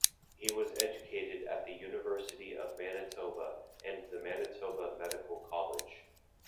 He was educated at the University of Manitoba and the Manitoba Medical College.